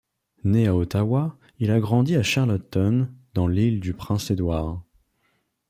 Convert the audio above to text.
Né à Ottawa, il a grandi à Charlottetown dans l'Île-du-Prince-Édouard.